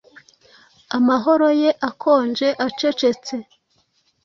Amahano ye akonje acecetse,